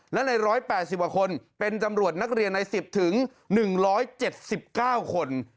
และใน๑๘๐กว่าคนเป็นตำรวจนักเรียนใน๑๐๑๗๙คน